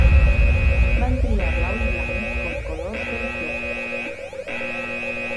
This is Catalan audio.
Van triar blau i blanc com colors del club.